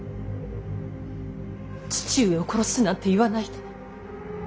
父上を殺すなんて言わないで。